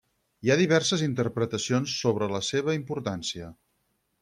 Hi ha diverses interpretacions sobre la seva importància.